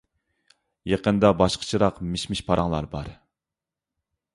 يېقىندا باشقىچىراق مىش-مىش پاراڭلار بار.